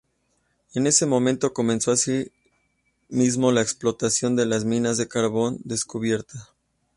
En ese momento comenzó así mismo la explotación de las minas de carbón descubiertas.